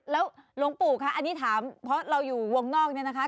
แล้วหลวงปู่คะอันนี้ถามเพราะเราอยู่วงนอกเนี่ยนะคะ